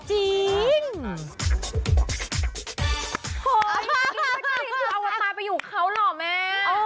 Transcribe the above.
โหยอะไรทำดีหนูเอาตามาไปอยู่กับเค้าเหรอแม่